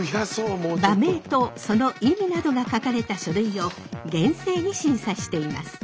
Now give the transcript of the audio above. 馬名とその意味などが書かれた書類を厳正に審査しています。